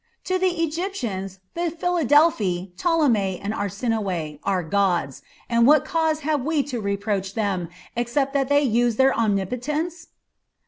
To the Egyptians the Philadelphi, Ptolemy and Arsinoe, are gods, and what cause have we to reproach them except that they use their omnipotence?"